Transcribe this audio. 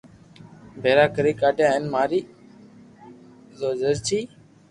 ڀيرا ڪري ڪاڌيا ھين ماري زرچي